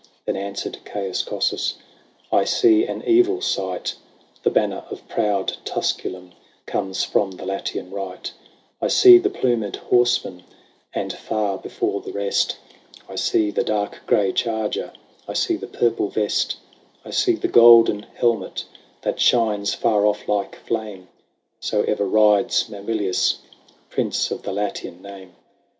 " XXI. Then answered Caius Cossus :" I see an evil sight ; The banner of proud Tusculum Comes from the Latian right ; I see the plumed horsemen ; And far before the rest 118 LAYS OF ANCIENT ROME. I see the dark grey charger, I see the purple vest ; I see the golden helmet That shines far off like flame ; So ever rides Mamilius, Prince of the Latian name."